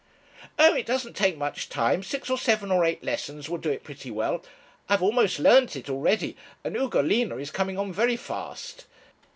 'Oh, it doesn't take much time six or seven or eight lessons will do it pretty well. I have almost learnt it already, and Ugolina is coming on very fast.